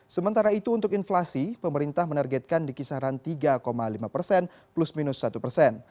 sementara itu untuk inflasi pemerintah menargetkan di kisaran tiga lima persen plus minus satu persen